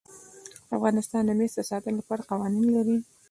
افغانستان د مس د ساتنې لپاره قوانین لري.